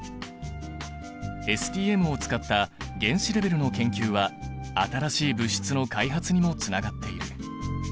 ＳＴＭを使った原子レベルの研究は新しい物質の開発にもつながっている。